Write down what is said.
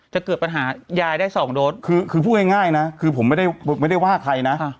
จะเกิดปัญหายายได้สองโดสคือพูดง่ายนะคือผมไม่ได้ว่าใครนะ